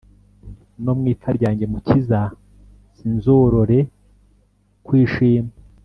No mu ipfa ryanjye mukiza sinzorore kwishima